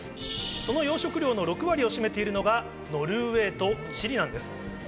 その養殖量の６割を占めているのがノルウェーとチリなんです。